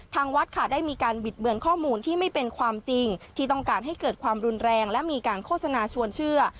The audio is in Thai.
ทางวัดค่ะได้มีการบิดเบือนข้อมูลที่ไม่เป็นความจริงที่ต้องการให้เกิดความรุนแรงและมีการโฆษณาชวนเชื่อ